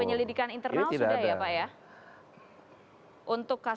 penyelidikan internal sudah ya pak ya